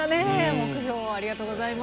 目標をありがとうございます。